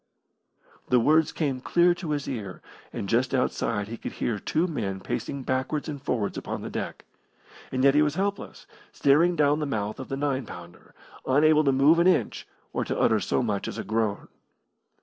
The words came clear to his ear, and just outside he could hear two men pacing backwards and forwards upon the deck. And yet he was helpless, staring down the mouth of the nine pounder, unable to move an inch or to utter so much as a groan.